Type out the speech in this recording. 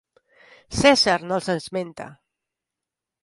Cèsar no els esmenta.